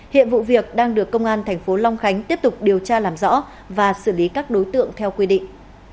hiện vụ việc đang được công an thành phố long khánh tiếp tục điều tra làm rõ và xử lý các đối tượng theo quy định